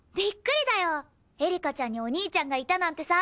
エリカちゃんにお兄ちゃんがいたなんてさ。